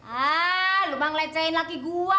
ah lu bang lecehin laki gua